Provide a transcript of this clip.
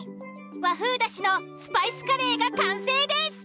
和風だしのスパイスカレーが完成です。